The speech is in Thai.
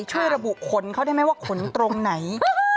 ช่วยระบุขนเขาได้ไหมว่าขนตรงไหน